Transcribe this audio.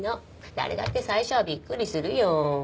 誰だって最初はびっくりするよ。